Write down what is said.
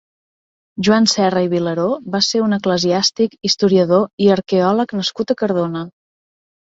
Joan Serra i Vilaró va ser un eclesiàstic, historiador i arqueòleg nascut a Cardona.